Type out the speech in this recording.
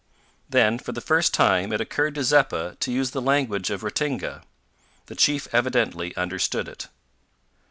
Then, for the first time, it occurred to Zeppa to use the language of Ratinga. The chief evidently understood it.